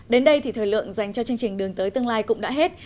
đến đây thì thời lượng dành cho chương trình đường tới tương lai cũng đã hết